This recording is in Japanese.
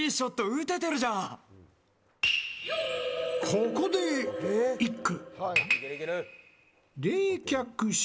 ここで一句。